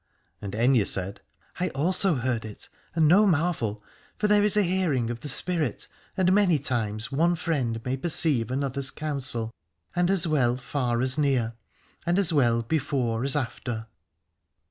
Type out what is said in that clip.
And Aithne said : I also heard it, and no marvel : for there is a hearing of the spirit, and many times one friend may perceive another's counsel, and as well far as near, and as well before as after.